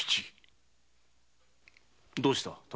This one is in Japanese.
どうした？